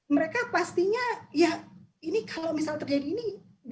mereka pastinya ya ini kalau misal terjadi ini